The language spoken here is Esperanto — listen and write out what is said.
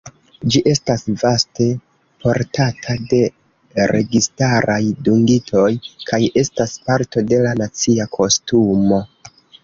Ĝi estas vaste portata de registaraj dungitoj, kaj estas parto de la nacia kostumo.